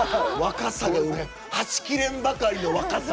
はち切れんばかりの若さ。